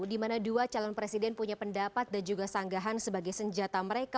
di mana dua calon presiden punya pendapat dan juga sanggahan sebagai senjata mereka